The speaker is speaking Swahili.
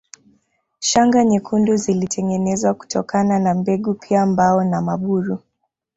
Shanga nyekundu zilitengenezwa kutokana na mbegu pia mbao na maburu